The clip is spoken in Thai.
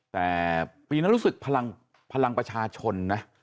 แต่ปีนั้นรู้สึกพลังประชาชนนะ